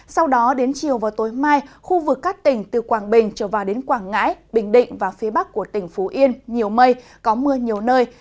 sau đó đến chiều và tối mai khu vực các tỉnh từ quảng bình trở vào đến quảng ngãi bình định và phía bắc của tỉnh phú yên nhiều mây có mưa nhiều nơi